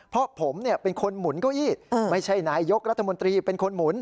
เพราะผมเป็นคนหมุนเก้าอี้ไม่ใช่นายยกรัฐมนตรีเป็นคนหมุน